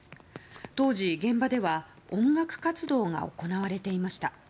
当時、現場では音楽活動が行われていました。